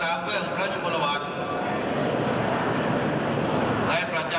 และยืนเขียนท่าสุดการิชวน